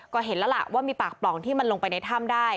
ก็เห็นแล้วล่ะว่ามีปากปล่องที่มันลงไปในถ้ำได้